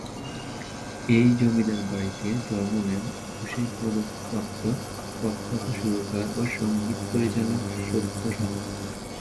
এই জমিদার বাড়িতে জন্ম নেন একুশে পদকপ্রাপ্ত প্রখ্যাত সুরকার ও সঙ্গীত পরিচালক সত্য সাহা।